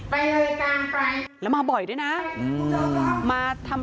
อืมแต่กูขอฆ่ากูดีกว่าไอ้ว้าวไอ้ว้าว